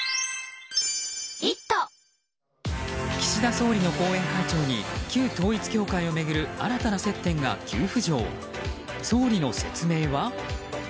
岸田総理の後援会長に旧統一教会を巡る新たな接点が急浮上総理の説明は？